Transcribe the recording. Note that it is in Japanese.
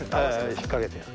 引っ掛けてやる。